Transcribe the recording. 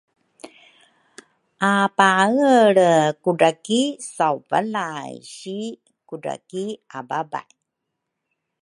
apaelre kudra ki sawvalay si kudra ki ababay